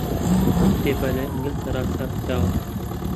ئەم کتێبە لە ئینگلتەرا چاپکراوە.